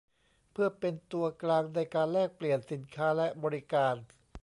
เพื่อเป็นตัวกลางในการแลกเปลี่ยนสินค้าและบริการ